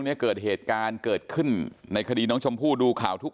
แม่น้องชมพู่แม่น้องชมพู่แม่น้องชมพู่แม่น้องชมพู่